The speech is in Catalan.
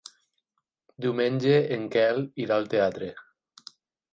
Diumenge en Quel irà al teatre.